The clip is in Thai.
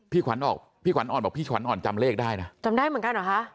ขวัญออกพี่ขวัญอ่อนบอกพี่ขวัญอ่อนจำเลขได้นะจำได้เหมือนกันเหรอคะ